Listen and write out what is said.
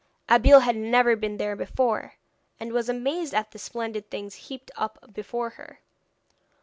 Abeille had never been there before, and was amazed at the splendid things heaped up before her.